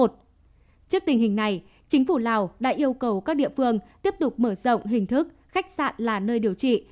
trước tình hình này chính phủ lào đã yêu cầu các địa phương tiếp tục mở rộng hình thức khách sạn là nơi điều trị